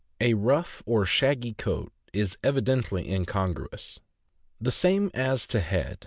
A rough or shaggy coat is evidently incongruous. The same as to head.